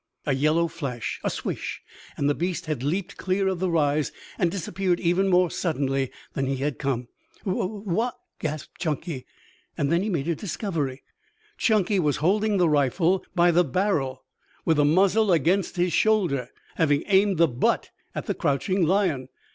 A yellow flash, a swish and the beast had leaped clear of the rise and disappeared even more suddenly than he had come. "Wha wha " gasped Chunky. Then he made a discovery. Chunky was holding the rifle by the barrel with the muzzle against his shoulder, having aimed the butt at the crouching lion.